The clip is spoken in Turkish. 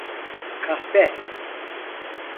Kahpe!